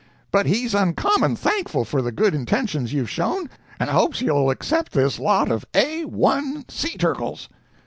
But he's uncommon thankful for the good intentions you've shown, and hopes you'll accept this lot of A 1 sea turkles.'